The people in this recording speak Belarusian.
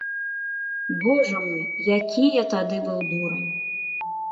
Божа мой, які я тады быў дурань.